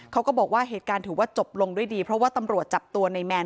เขาก็บอกว่าเหตุการณ์ถือว่าจบลงด้วยดีเพราะว่าตำรวจจับตัวในแมน